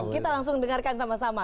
kita langsung dengarkan sama sama